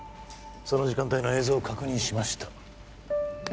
その時間帯の映像を確認しました